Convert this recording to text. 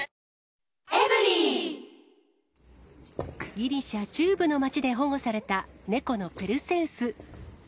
ギリシャ中部の街で保護された、猫のペルセウス。